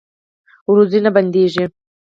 روزي نه بندیږي